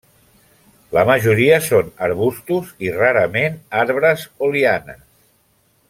La majoria són arbustos i rarament arbres o lianes.